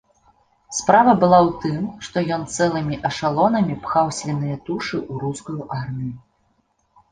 Справа была ў тым, што ён цэлымі эшалонамі пхаў свіныя тушы ў рускую армію.